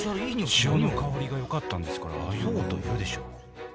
潮の香りがよかったんですからああいうこと言うでしょう。